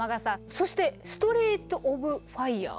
そして「ストリート・オブ・ファイヤー」。